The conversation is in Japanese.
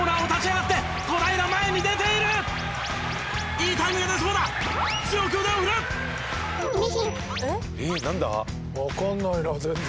「わかんないな全然」